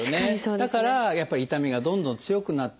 だからやっぱり痛みがどんどん強くなっていく。